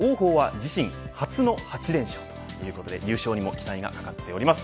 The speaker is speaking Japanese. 初の８連勝ということで優勝にも期待がかかっています。